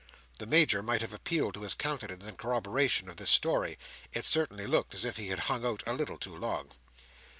The Major might have appealed to his countenance in corroboration of this story. It certainly looked as if he had hung out a little too long.